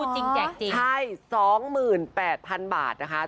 อ๋อจริงจริงใช่๒๘๐๐๐บาทนะคะ